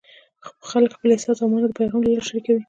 خلک خپل احساس او مانا د پیغام له لارې شریکوي.